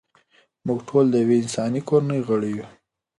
موږ ټول د یوې انساني کورنۍ غړي یو.